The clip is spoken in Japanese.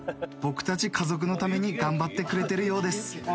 僕たち家族のために頑張ってくれてるようです